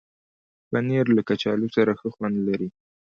پنېر له کچالو سره ښه خوند لري.